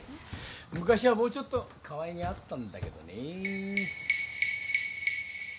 昔はもうちょっとかわいげあったんだけどね。